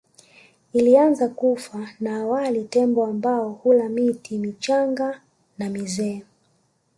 Ilianza kufa na awali Tembo ambao hula miti michanga na mizee